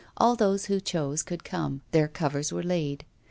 All those who chose could come, their covers were laid.